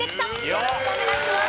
よろしくお願いします。